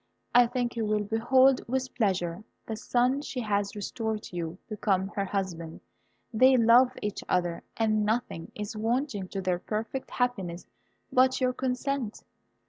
I think you will behold with pleasure the son she has restored to you become her husband. They love each other, and nothing is wanting to their perfect happiness but your consent.